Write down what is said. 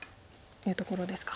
いうところですか。